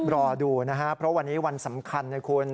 รอดูนะครับเพราะวันนี้วันสำคัญนะคุณ